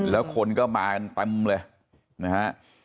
แล้วคนก็มากันเต็มเลยนะฮะ